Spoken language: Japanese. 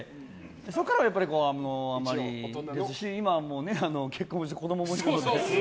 そこからは、あまりですし今はもう結婚して子供もいるので。